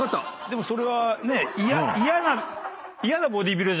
でもそれはね嫌な。